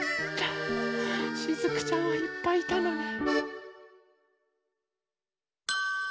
しずくちゃんはいっぱいいたのね。